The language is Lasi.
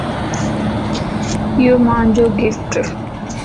ايو مانجو گفٽ